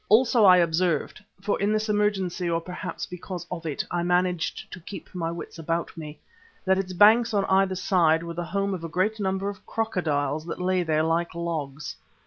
Also I observed for in this emergency, or perhaps because of it, I managed to keep my wits about me that its banks on either side were the home of great numbers of crocodiles which lay there like logs.